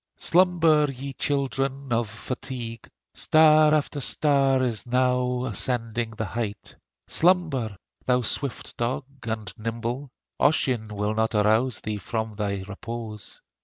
Slumber, ye children of fatigue; Star after star is now ascending the height. Slumber! thou swift dog and nimble Ossian will arouse thee not from thy repose.